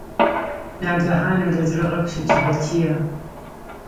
ناګهانه له زړه غږ شو چې بچیه!